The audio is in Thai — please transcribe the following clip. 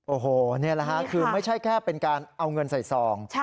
โอ้โหนี่แหละค่ะคือไม่ใช่แค่เป็นการเอาเงินใส่ซอง